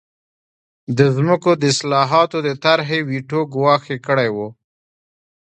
د ځمکو د اصلاحاتو د طرحې ویټو ګواښ یې کړی و.